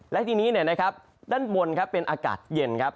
และทีนี้ด้านบนเป็นอากาศเย็น